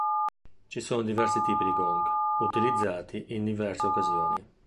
Ci sono diversi tipi di gong, utilizzati in diverse occasioni.